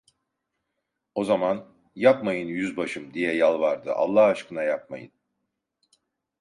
O zaman: "Yapmayın yüzbaşım!" diye yalvardı, "Allah aşkına yapmayın…"